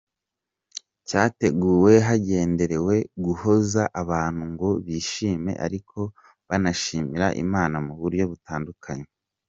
Cyateguwe hagenderewe guhuza abantu ngo bishime ariko banashimira Imana mu buryo butandukanye.